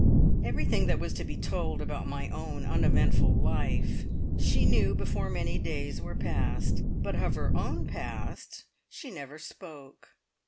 Everything that was to be told about my own uneventful life she knew before many days were passed, but of her own past she never spoke.